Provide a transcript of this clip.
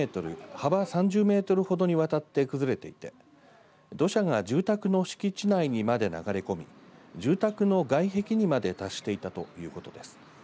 幅３０メートルほどにわたって崩れていて土砂が住宅の敷地内にまで流れ込み住宅の外壁にまで達していたということです。